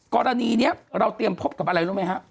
กรณีนี้เราเตรียมพบกับอะไรรู้ไหมฮะ